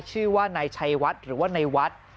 ชื่อว่าในชัยวัดหรือว่าในวัด